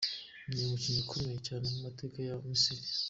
Ni umukinyi akomeye cane mu mateka ya Misiri.